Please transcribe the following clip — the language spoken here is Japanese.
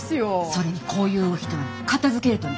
それにこういうお人は片づけるとね